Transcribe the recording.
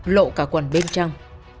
lộ cả quần bên trong